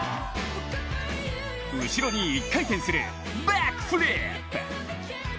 後ろに１回転するバックフリップ。